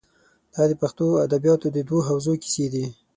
دا د پښتو ادبیاتو د دوو حوزو کیسې دي.